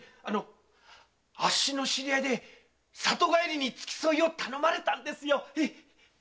あのあっしの知り合いで里帰りに付き添いを頼まれたんですよ。